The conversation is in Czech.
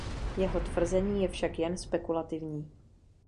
Jeho tvrzení je však jen spekulativní.